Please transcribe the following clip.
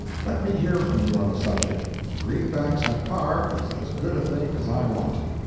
Let me hear from you on the subject. Greenbacks at par is as good a thing as I want.